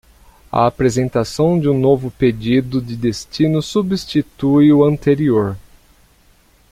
A apresentação de um novo pedido de destino substitui o anterior.